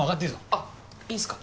あっいいんですか？